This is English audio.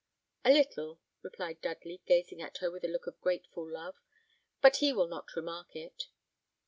"A little," replied Dudley, gazing at her with a look of grateful love; "but he will not remark it."